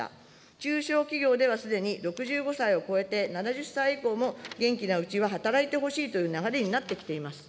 中小企業ではすでに６５歳を超えて７０歳以降も元気なうちは働いてほしいという流れになってきています。